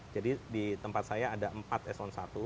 jadi di tempat saya ada empat s sebelas